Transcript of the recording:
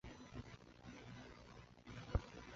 暗杀者称其改革政策帮助基督教渗入日本。